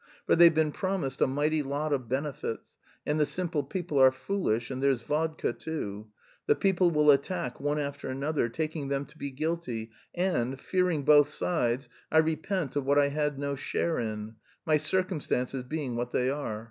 For they've been promised a mighty lot of benefits, and the simple people are foolish, and there's vodka too. The people will attack one after another, taking them to be guilty, and, fearing both sides, I repent of what I had no share in, my circumstances being what they are.